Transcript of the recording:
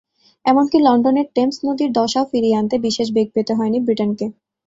এমনকি লন্ডনের টেমস নদীর দশাও ফিরিয়ে আনতে বিশেষ বেগ পেতে হয়নি ব্রিটেনকে।